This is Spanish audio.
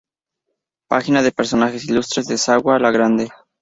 Página de personajes ilustres de Sagua la Grande.